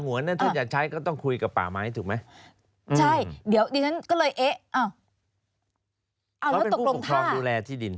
ว่าเป็นผู้ปกครองดูแลที่ดิน